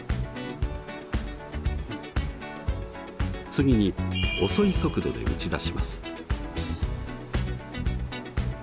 次に遅い速度で打ち出します。